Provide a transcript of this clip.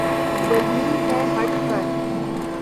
ذلیل ہے ہٹ کر